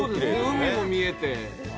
海も見えて。